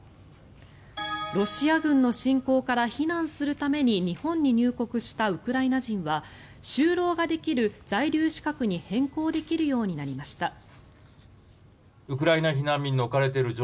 ロシア軍の侵攻から避難するために日本に入国したウクライナ人は就労ができる在留資格に変更できるようになりました。